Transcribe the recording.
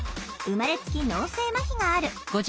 生まれつき脳性まひがある。